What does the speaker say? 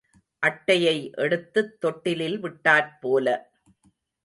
அட்டையை எடுத்துத் தொட்டிலில் விட்டாற்போல.